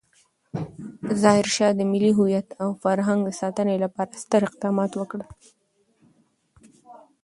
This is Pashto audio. ظاهرشاه د ملي هویت او فرهنګ د ساتنې لپاره ستر اقدامات وکړل.